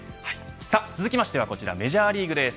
続きましてはメジャーリーグです。